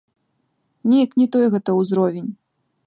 Неяк не той гэта ўзровень.